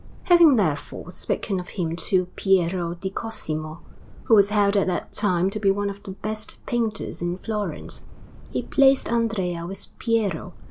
Having therefore spoken of him to Piero di Cosimo, who was held at that time to be one of the best painters in Florence, he placed Andrea with Piero.